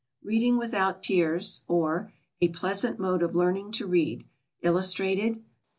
Reading without Tears; or, A Pleasant Mode of Learning to Read. Illustrated.